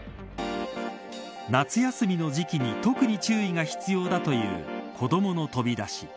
夏休みの時期に特に注意が必要だという子どもの飛び出し。